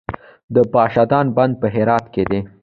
د پاشدان بند په هرات کې دی